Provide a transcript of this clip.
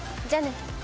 じゃあね。